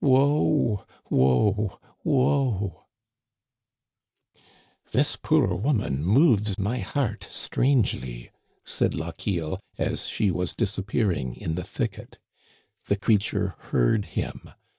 Woe ! Woe ! Woe !"'* This poor woman moves my heart strangely, said Lochiel, as she was disappearing in the thicket. The creature heard him.